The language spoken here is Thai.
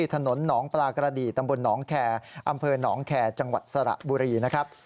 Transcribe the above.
ถนนหนองปลากระดีตำบลหนองแคร์อำเภอหนองแคร์จังหวัดสระบุรีนะครับ